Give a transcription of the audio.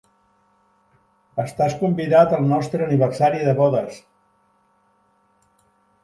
Estàs convidat al nostre aniversari de bodes.